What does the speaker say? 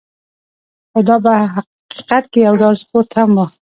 خو دا په حقیقت کې یو ډول سپورت هم و.